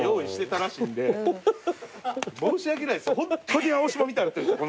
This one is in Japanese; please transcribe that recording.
申し訳ないですよ